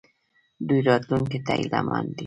دوی راتلونکي ته هیله مند دي.